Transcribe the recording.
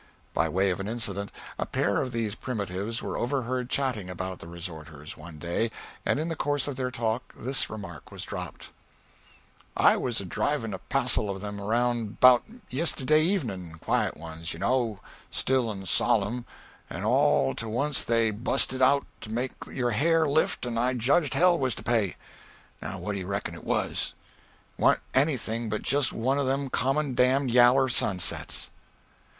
By way of an incident: a pair of these primitives were overheard chatting about the resorters, one day, and in the course of their talk this remark was dropped: "I was a drivin' a passel of 'em round about yisterday evenin', quiet ones, you know, still and solemn, and all to wunst they busted out to make your hair lift and I judged hell was to pay. Now what do you reckon it was? It wa'n't anything but jest one of them common damned yaller sunsets."